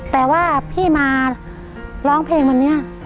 แต่ว่าพี่มาร้องเพลงวันนี้